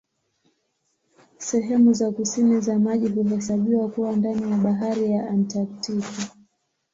Sehemu za kusini za maji huhesabiwa kuwa ndani ya Bahari ya Antaktiki.